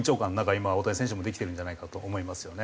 今大谷選手もできてるんじゃないかと思いますよね。